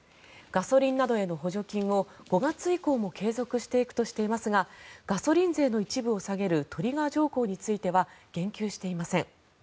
ガソリンなどへの補助金を５月以降も継続していくとしていますがガソリン税の一部を下げるトリガー条項については言及していません。